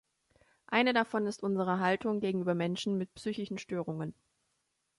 Eine davon ist unsere Haltung gegenüber Menschen mit psychischen Störungen.